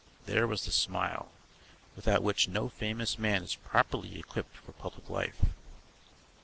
There was the smile, without which no famous man is properly equipped for public life.